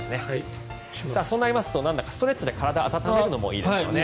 そうなりますとなんだかストレッチで体を温めるのもいいですよね。